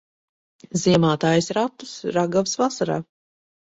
Ziemā taisi ratus, ragavas vasarā.